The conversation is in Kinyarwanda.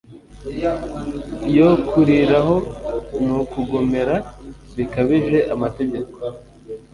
yo kuriraho ni ukugomera bikabije amategeko